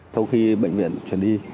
sau khi bệnh viện chuyển đi